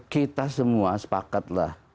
kita semua sepakatlah